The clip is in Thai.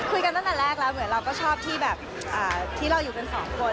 ตั้งแต่แรกแล้วเหมือนเราก็ชอบที่แบบที่เราอยู่กันสองคน